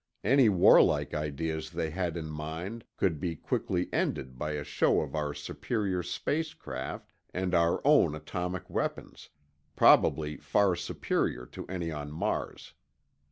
Any warlike ideas they had in mind could be quickly ended by a show of our superior space craft and our own atomic weapons—probably far superior to any on Mars.